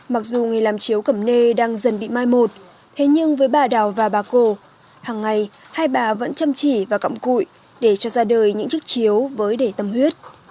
mặc dù người làm chiếu cẩm nê đang dần bị mai một thế nhưng với bà đào và bà cổ hằng ngày hai bà vẫn chăm chỉ và cẩm cụi để cho ra đời những chiếc chiếu với để tâm huyết